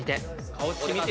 顔つき見て。